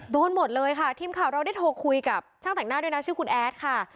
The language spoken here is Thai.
โดนหมดเลยค่ะทีมข่าวเราได้โทรคุยกับช่างแต่งหน้าด้วยนะชื่อคุณแอดค่ะ